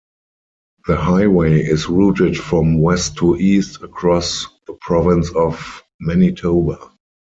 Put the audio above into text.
The highway is routed from west to east across the province of Manitoba.